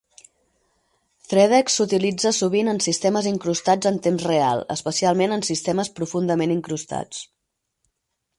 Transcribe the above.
ThreadX s'utilitza sovint en sistemes incrustats en temps real, especialment en sistemes profundament incrustats.